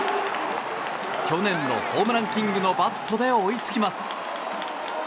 去年のホームランキングのバッドで追いつきます。